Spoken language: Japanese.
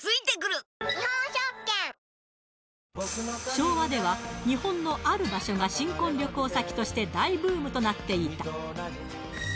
昭和では日本のある場所が新婚旅行先として大ブームとなっていた